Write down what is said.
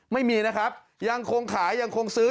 ไม่มีนะครับยังคงขายยังคงซื้อ